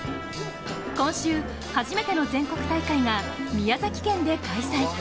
今週、初めての全国大会が宮崎県で開催。